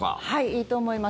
いいと思います。